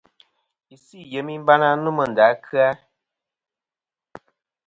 Isɨ i yemi bana nomɨ nda kɨ-a.